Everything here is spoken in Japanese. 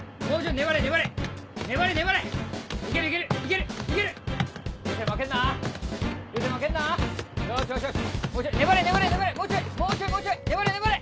粘れ。